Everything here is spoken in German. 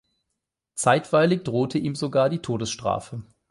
Zeitweilig drohte ihm sogar die Todesstrafe.